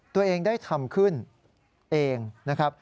ตัวเองได้ทำขึ้นเองนะครับ